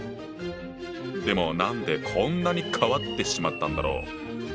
でも何でこんなに変わってしまったんだろう？